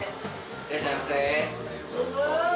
いらっしゃいませ。